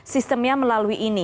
sistemnya melalui ini